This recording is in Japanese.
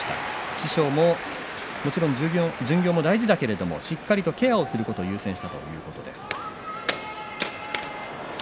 師匠ももちろん巡業も大事だけどしっかりとケアをすることを優先したということです。